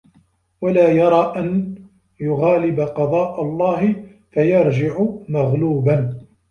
وَلَا يَرَى أَنْ يُغَالِبَ قَضَاءَ اللَّهِ فَيَرْجِعُ مَغْلُوبًا